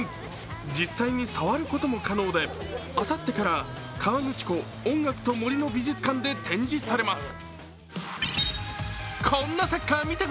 実際に触ることも可能で、あさってから河口湖音楽と森の美術館で展示されます。